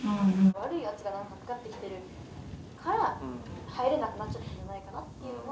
悪いやつだなと分かってきてるから入れなくなっちゃったんじゃないかなっていうのは。